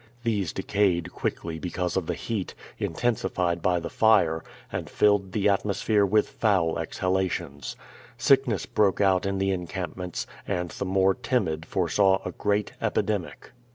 These decayed quickly because of the heat, intensified by the fire, and filled the at mosphere with foul exhalations. Sickness broke out in the encampments, and the more timid foresaw a great epidemic.